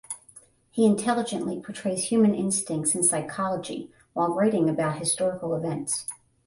He intelligently portrays human instincts and psychology while writing about historical events.